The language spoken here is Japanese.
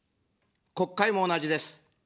国会も同じです。